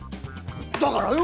だからよ！